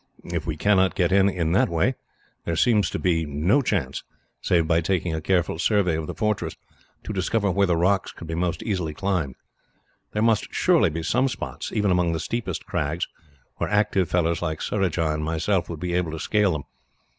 "If we cannot get in in that way, there seems to me to be no chance, save by taking a careful survey of the fortress, to discover where the rocks can be most easily climbed. There must surely be some spots, even among the steepest crags, where active fellows like Surajah and myself would be able to scale them.